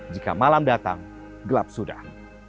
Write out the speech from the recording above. jika malam datang gelap sudah